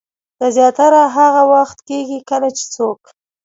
دا زياتره هاغه وخت کيږي کله چې څوک